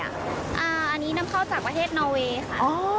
อันนี้นำเข้าจากประเทศนอเวย์ค่ะ